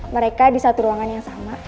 mereka di satu ruangan yang sama